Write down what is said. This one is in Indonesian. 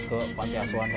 ke pantiasuan kata papa